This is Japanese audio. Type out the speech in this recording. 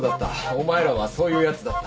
お前らはそういうやつだった。